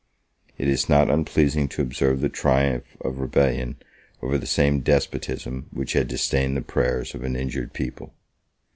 It is not unpleasing to observe the triumph of rebellion over the same despotism which had disdained the prayers of an injured people.